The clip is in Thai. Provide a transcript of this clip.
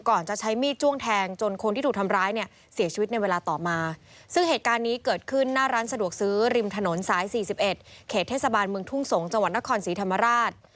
จะใช้มีดจ้วงแทงจนคนที่ถูกทำร้ายเนี่ยเสียชีวิตในเวลาต่อมาซึ่งเหตุการณ์นี้เกิดขึ้นหน้าร้านสะดวกซื้อริมถนนสาย๔๑เขตเทศบาลเมืองทุ่งสงศ์จังหวัดนครศรีธรรมราช